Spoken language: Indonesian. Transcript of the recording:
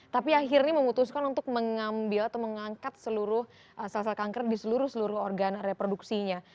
tapi akhirnya memutuskan untuk mengambil atau mengangkat seluruh sel sel kanker di seluruh seluruh organ reproduksinya